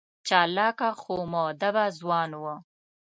چالاکه خو مودبه ځوان و.